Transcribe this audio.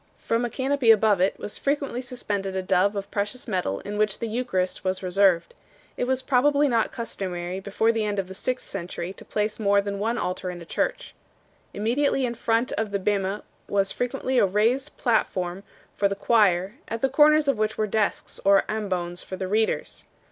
From a canopy above it was frequently suspended a dove of precious metal in which the Eucharist was reserved. It was probably not custom ary before the end of the sixth century to place more than one altar in a church. Immediately in front of the bema was frequently a raised platform for the choir, at the corners of which were desks or ambones for the readers.